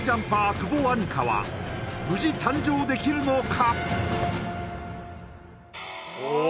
久保杏夏は無事誕生できるのか？